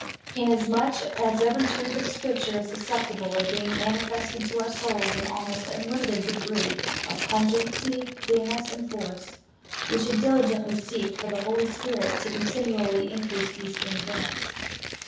Inasmuch as every truth of Scripture is suscepti ble of being manifested to our souls in almost unlim ited degree of pungency, clearness, and force, we should diligentl}^ vSeek for the Holy Spirit to continually in i crease these things in us.